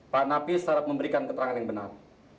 pak nafis harap memberikan keterangan yang benar